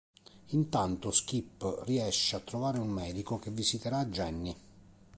Intanto Skip riesce a trovare un medico che visiterà Jenny.